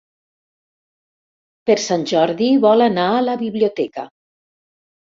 Per Sant Jordi vol anar a la biblioteca.